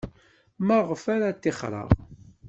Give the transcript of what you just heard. Maɣef ara ttixreɣ?